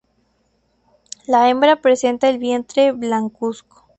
La hembra presenta el vientre blancuzco.